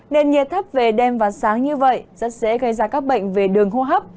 nền nhiệt thấp về đêm và sáng như vậy rất dễ gây ra các bệnh về đường hô hấp